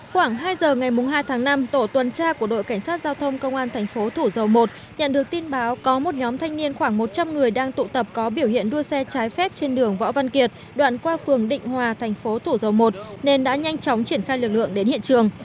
khoảng hai giờ ngày hai tháng năm tổ tuần tra của đội cảnh sát giao thông công an thành phố thủ dầu một nhận được tin báo có một nhóm thanh niên khoảng một trăm linh người đang tụ tập có biểu hiện đua xe trái phép trên đường võ văn kiệt đoạn qua phường định hòa thành phố thủ dầu một nên đã nhanh chóng triển khai lực lượng đến hiện trường